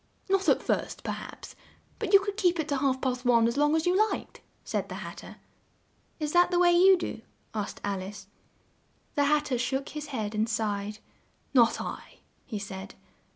"Not at first, per haps, but you could keep it to half past one as long as you liked," said the Hat ter. "Is that the way you do?" asked Al ice. The Hat ter shook his head and sighed. "Not I," he said.